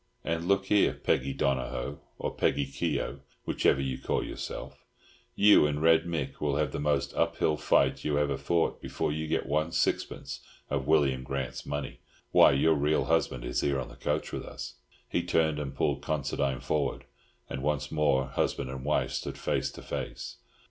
And look here, Peggy Donohoe—or Peggy Keogh, whichever you call yourself—you and Red Mick will have the most uphill fight you ever fought before you get one sixpence of William Grant's money. Why, your real husband is here on the coach with us!" He turned and pulled Considine forward, and once more husband and wife stood face to face.